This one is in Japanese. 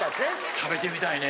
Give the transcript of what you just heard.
食べてみたいね。